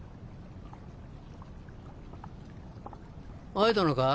会えたのか？